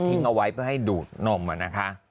ทิ้งเอาไว้เพื่อให้ดูดนมอะนะคะ